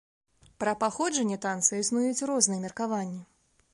Пра паходжанне танца існуюць розныя меркаванні.